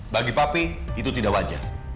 bagi papi itu tidak wajar